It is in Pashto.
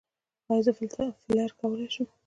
ایا زه فیلر کولی شم؟